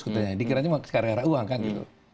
kira kira itu mah sekarian uang kan gitu